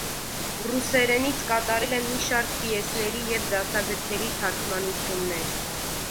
Ռուսերենից կատարել է մի շարք պիեսների և դասագրքերի թարգմանություններ։